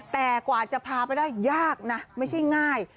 แต่กว่าจะพาไปได้ยากนะไม่ใช่ง่าย